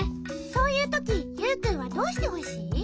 そういうときユウくんはどうしてほしい？